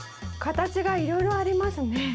形がいろいろありますね。